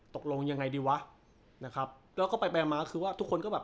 ตกลงยังไงดีวะแล้วคลายมาก็เองจะบอกว่า